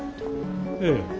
ええ。